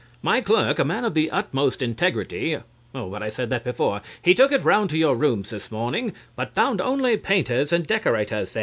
My clerk, a man of the utmost integrity oh, but I said that before he took it round to your rooms this morning, but found only painters and decorators there.